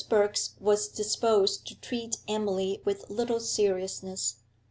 Birks was disposed to treat Emily with little seriousness.